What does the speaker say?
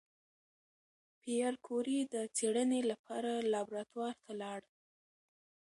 پېیر کوري د څېړنې لپاره لابراتوار ته لاړ.